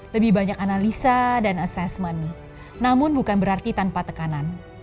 lebih banyak analisa dan assessment namun bukan berarti tanpa tekanan